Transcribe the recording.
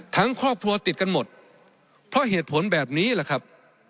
ครอบครัวติดกันหมดเพราะเหตุผลแบบนี้แหละครับ